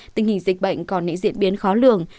tình hình dịch bệnh còn những diễn biến khó lường